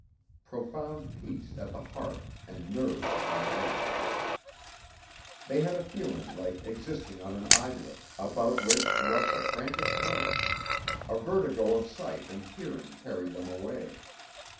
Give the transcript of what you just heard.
Profound peace at the heart, and nerves on edge. They had a feeling like existing on an islet, about which rushed a frantic current: a vertigo of sight and hearing carried them away.